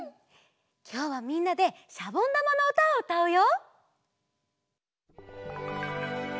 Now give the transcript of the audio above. きょうはみんなでしゃぼんだまのうたをうたうよ！